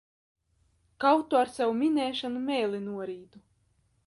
Kaut tu ar savu minēšanu mēli norītu!